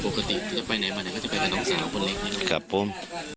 ปกติจะไปไหนมาไหนก็จะไปกับน้องสาวคนเล็กครับผม